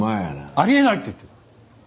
あり得ないって言ってる。